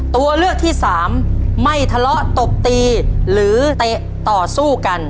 ตัวเลือกที่สามไม่ทะเลาะตบตีหรือเตะต่อสู้กัน